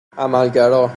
عملگرا